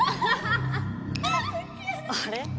あれ？